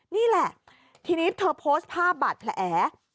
นี่แหละทีนี้เธอโพสต์ภาพบาดแผล